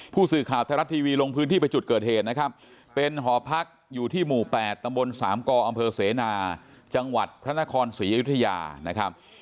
ผู้สื่อข่าวไทยรัฐทีวีลงพื้นที่ไปจุดเกิดเหตุนะครับเป็นหอพักอยู่ที่หมู่๘ตำบลสามกอำเภอเสนาจังหวัดพระนครศรีอยุธยานะครับ